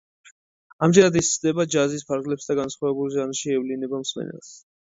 ამჯერად ის სცდება ჯაზის ფარგლებსა და განსხვავებულ ჟანრში ევლინება მსმენელს.